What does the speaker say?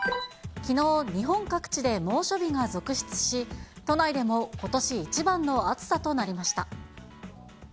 きのう、日本各地で猛暑日が続出し、都内でもことし一番の暑さとなりました。